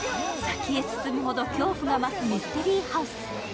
先へ進むほど恐怖が増すミステリーハウス。